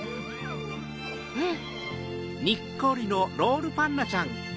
うん！